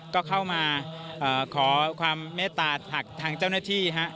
ก็เข้ามาขอความเมตตาหากทางเจ้าหน้าที่ฮะ